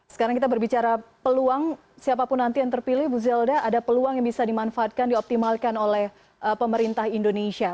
sekarang kita berbicara peluang siapapun nanti yang terpilih bu zelda ada peluang yang bisa dimanfaatkan dioptimalkan oleh pemerintah indonesia